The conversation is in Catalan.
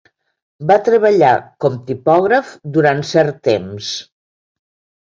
Va treballar com tipògraf durant cert temps.